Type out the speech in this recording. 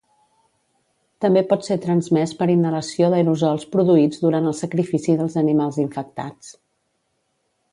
També pot ser transmès per inhalació d'aerosols produïts durant el sacrifici dels animals infectats.